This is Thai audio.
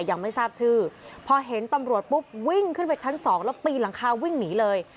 ยังไม่ทราบชื่อพอเห็นตำรวจปุ๊บวิ่งขึ้นไปชั้นสองแล้วปีนหลังคาวิ่งหนีเลย